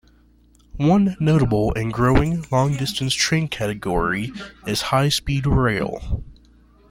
One notable and growing long-distance train category is high-speed rail.